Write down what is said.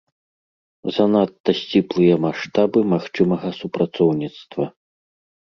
Занадта сціплыя маштабы магчымага супрацоўніцтва.